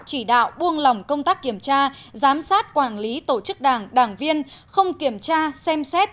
chỉ đạo buông lỏng công tác kiểm tra giám sát quản lý tổ chức đảng đảng viên không kiểm tra xem xét